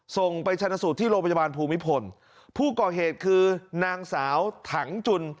ส่งไปชนะสูตรที่โรงพยาบาลภูมิพลผู้ก่อเหตุคือนางสาวถังจุน